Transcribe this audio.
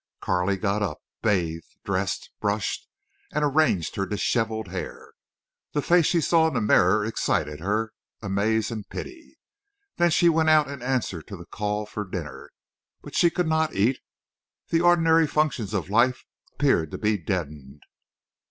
Carley got up, bathed, dressed, brushed and arranged her dishevelled hair. The face she saw in the mirror excited her amaze and pity. Then she went out in answer to the call for dinner. But she could not eat. The ordinary functions of life appeared to be deadened.